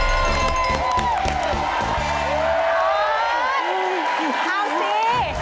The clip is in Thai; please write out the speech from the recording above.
เอาสิ